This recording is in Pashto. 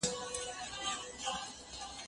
ايا ته ږغ اورې،